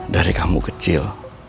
dari kamu kecil